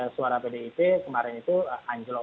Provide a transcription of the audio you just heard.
suara pdip kemarin itu anjlok